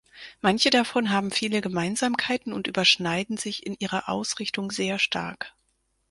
Manche davon haben viele Gemeinsamkeiten und überschneiden sich in ihrer Ausrichtung sehr stark.